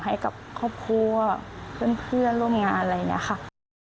ให้กับครอบครัวเพื่อนร่วมงานอะไรอย่างนี้ค่ะ